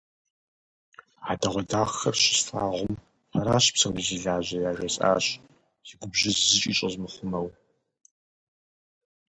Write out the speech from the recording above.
А хьэдэгъуэдахэр щыслъагъум, «Фэращ псори зи лажьэр!» яжесӏащ, си губжьыр зыкӏи щӏэзмыхъумэу.